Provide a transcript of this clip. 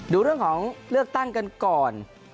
ดูเรื่องของเลือกตั้งกันก่อน